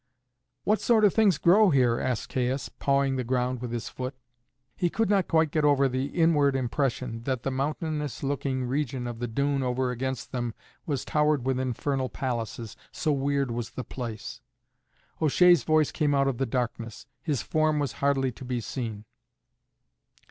"What sort of things grow here?" asked Caius, pawing the ground with his foot. He could not quite get over the inward impression that the mountainous looking region of the dune over against them was towered with infernal palaces, so weird was the place. O'Shea's voice came out of the darkness; his form was hardly to be seen.